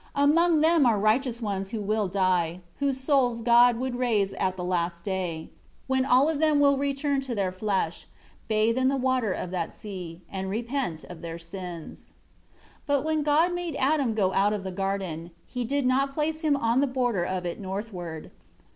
Among them are righteous ones who will die, whose souls God would raise at the last day; when all of them will return to their flesh, bathe in the water of that sea, and repent of their sins. 5 But when God made Adam go out of the garden, He did not place him on the border of it northward.